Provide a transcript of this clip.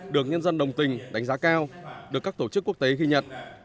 được nhân dân đồng tình đánh giá cao được các tổ chức quốc tế ghi nhận